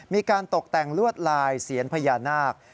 มีการตกแต่งลวดลายเสียนพญานาค